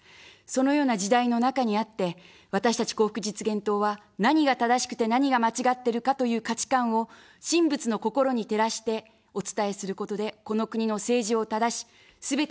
そのような時代の中にあって、私たち幸福実現党は、何が正しくて、何が間違ってるかという価値観を神仏の心に照らしてお伝えすることで、この国の政治をただし、全ての人の幸福を実現します。